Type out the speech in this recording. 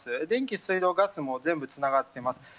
電気、水道、ガスも全部つながっています。